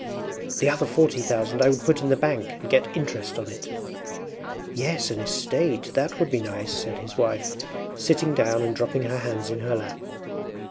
The other forty thousand I would put in the bank and get interest on it.” “Yes, an estate, that would be nice,” said his wife, sitting down and dropping her hands in her lap.